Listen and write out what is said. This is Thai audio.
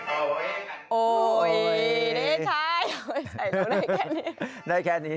โอ้ยเด้นช้ายใส่ลูกได้แค่นี้